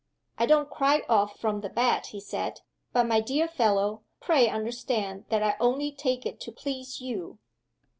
"I don't cry off from the bet," he said. "But, my dear fellow, pray understand that I only take it to please _you.